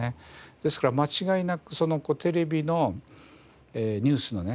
ですから間違いなくテレビのニュースのね映像まあ